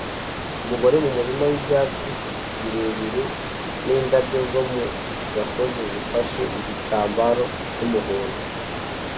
Umugore mu murima wibyatsi birebire nindabyo zo mu gasozi zifashe igitambaro cy'umuhondo